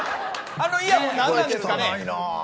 あのイヤホンなんなんですかね。